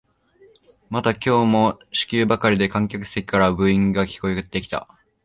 また今日も四球ばかりで観客席からはブーイングが聞こえてきた